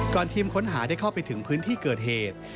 ทีมค้นหาได้เข้าไปถึงพื้นที่เกิดเหตุ